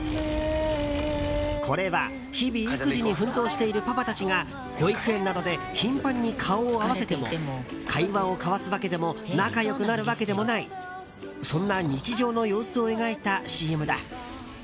これは、日々育児に奮闘しているパパたちが保育園などで頻繁に顔を合わせても会話を交わすわけでも仲良くなるわけでもないそんな日常の様子を描いたＣＭだ。